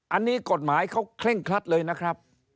อันนี้กฎหมายเขาเคร่งครัดเลยนะครับ